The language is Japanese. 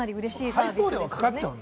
配送料はかかっちゃうんだ。